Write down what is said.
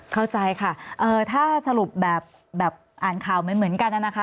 เข้าใจค่ะถ้าสรุปแบบอ่านข่าวเหมือนกันนะคะ